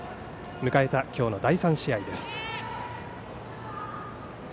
迎えた今日の第３試合です。